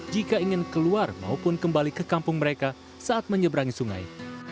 jika ingin keluar maupun kembali ke kampung mereka saat menyeberangi sungai